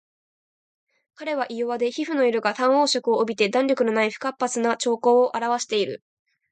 彼は胃弱で皮膚の色が淡黄色を帯びて弾力のない不活発な徴候をあらわしている